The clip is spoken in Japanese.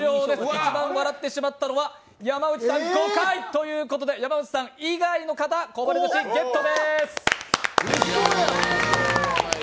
一番笑ってしまったのは山内さん５回ということで山内さん以外の方こぼれ寿司ゲットです。